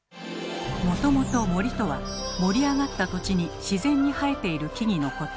もともと「森」とは盛り上がった土地に自然に生えている木々のこと。